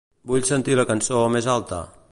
Vull sentir la cançó més alta.